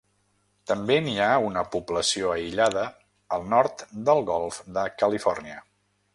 També n'hi ha una població aïllada al nord del Golf de Califòrnia.